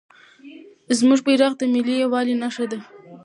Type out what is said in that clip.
زموږ بیرغ د ملي یووالي نښه ده.